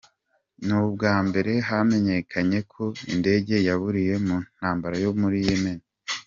N’ubwa mbere hamenyekanye ko indege yaburiye mu ntambara yo muri Yemen.